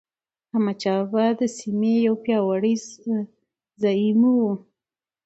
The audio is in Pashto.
احمدشاه بابا د سیمې یو پیاوړی زعیم و.